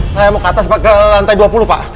saya mau ke atas pak ke lantai dua puluh pak